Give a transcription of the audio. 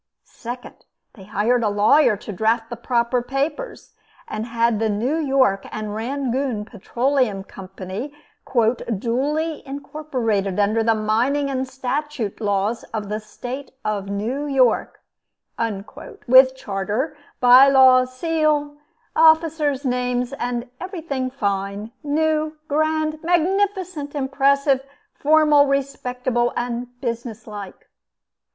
Second, they hired a lawyer to draft the proper papers, and had the New York and Rangoon Petroleum Company "Duly incorporated under the mining and statute laws of the State of New York," with charter, by laws, seal, officers' names, and everything fine, new, grand, magnificent, impressive, formal, respectable and business like.